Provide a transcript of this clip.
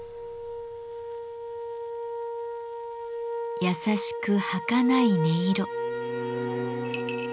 優しくはかない音色。